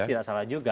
tidak salah juga